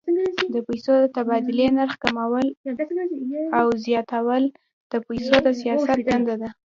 د پیسو د تبادلې نرخ کمول او زیاتول د پیسو د سیاست دنده ده.